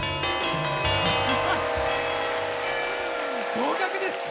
合格です！